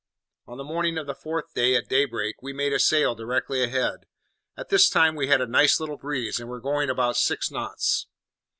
On the morning of the fourth day, at daybreak, we made a sail directly ahead. At this time we had a nice little breeze, and were going about six knots.